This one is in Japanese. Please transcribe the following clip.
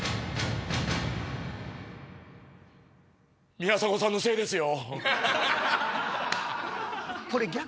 宮迫さんのせいですよ。